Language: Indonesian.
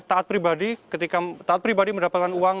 taat pribadi ketika taat pribadi mendapatkan uang